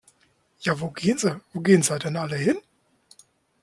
Ja wo gehn se, wo gehn se denn alle hin?